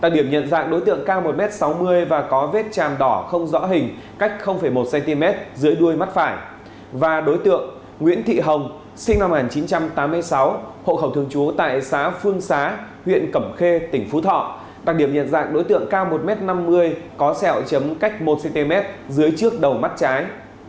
đối tượng này cao một m năm mươi có sẹo chấm cách một cm dưới trước đầu mắt trái